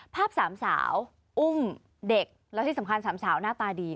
ภาพสามสาวอุ้มเด็กแล้วที่สำคัญสามสาวหน้าตาดี